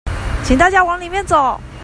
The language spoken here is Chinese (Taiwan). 請大家往裡面走